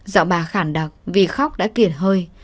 dạo bà khản đặc vì khóc đã kiệt hơi